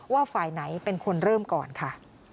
ว่าฝ่ายไหนเป็นคนเริ่มก่อนค่ะ